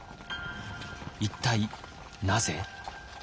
一体なぜ？